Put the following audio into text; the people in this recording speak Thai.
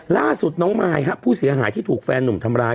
ล่าสุดน้องมายผู้เสียหายที่ถูกแฟนหนุ่มทำร้าย